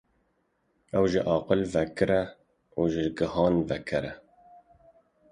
Ew ji aqil ve ker e, û ji guhan ve kerr e.